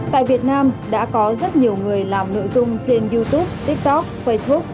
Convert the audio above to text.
tại việt nam đã có rất nhiều người làm nội dung trên youtube tiktok facebook